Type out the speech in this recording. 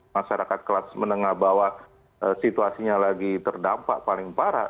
masyarakat kelas menengah bawah situasinya lagi terdampak paling parah